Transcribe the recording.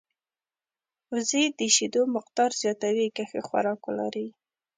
وزې د شیدو مقدار زیاتوي که ښه خوراک ولري